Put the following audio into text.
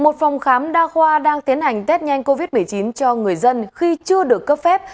một phòng khám đa khoa đang tiến hành test nhanh covid một mươi chín cho người dân khi chưa được cấp phép